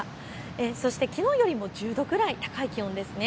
そしてきのうよりも１０度くらい高い気温です。